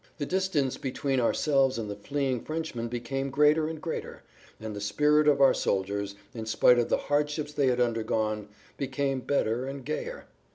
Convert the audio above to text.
The distance between ourselves and the fleeing Frenchmen became greater and greater, and the spirit of our soldiers, in spite of the hardships they had undergone, became better and gayer.